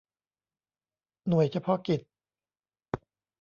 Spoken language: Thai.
หน่วยเฉพาะกิจ